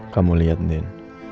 kamu liat nen